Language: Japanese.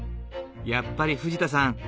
やっぱり藤田さん